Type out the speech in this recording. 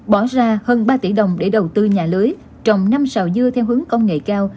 bỏ ra hơn ba tỷ đồng để đầu tư nhà lưới trồng năm xào dưa theo hướng công nghệ cao